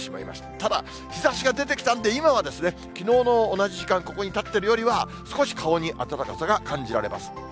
ただ、日ざしが出てきたんで、今はきのうの同じ時間、ここに立ってるよりは、少し顔に暖かさが感じられます。